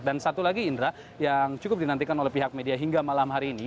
dan satu lagi indra yang cukup dinantikan oleh pihak media hingga malam hari ini